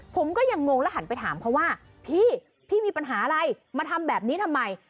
ผมก็ยังงงแล้วหันไปถามเขาว่าพี่พี่มีปัญหาอะไรมาทำแบบนี้ทำไม